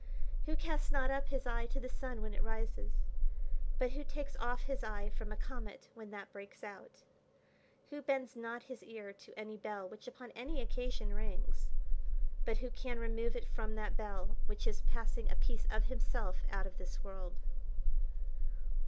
Who casts not up his eye to the sun when it rises? but who takes off his eye from a comet when that breaks out? Who bends not his ear to any bell which upon any occasion rings? but who can remove it from that bell which is passing a piece of himself out of this world?